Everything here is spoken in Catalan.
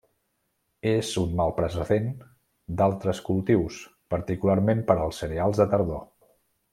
És un mal precedent d'altres cultius, particularment per als cereals de tardor.